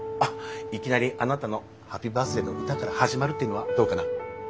いきなりあなたのハッピーバースデーの歌から始まるっていうのはどうかな？